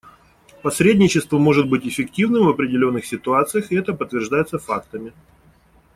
Посредничество может быть эффективным в определенных ситуациях, и это подтверждается фактами.